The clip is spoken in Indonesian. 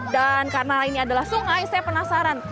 dan karena ini adalah sungai saya penasaran